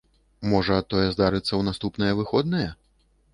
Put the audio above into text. Можа, тое здарыцца ў наступныя выходныя?